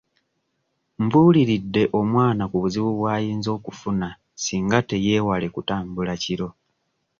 Mbuuliridde omwana ku buzibu bw'ayinza okufuna singa teyeewale kutambula kiro.